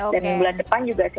dan bulan depan juga cnation